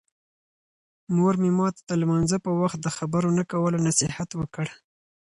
مور مې ماته د لمانځه په وخت د خبرو نه کولو نصیحت وکړ.